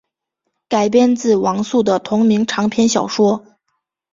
改编自王朔的同名长篇小说。